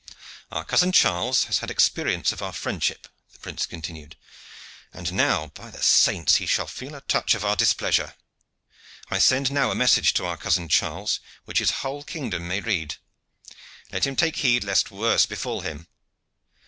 "Our cousin Charles has had experience of our friendship," the prince continued, "and now, by the Saints! he shall feel a touch of our displeasure. I send now a message to our cousin Charles which his whole kingdom may read. Let him take heed lest worse befall him.